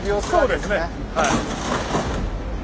そうですね。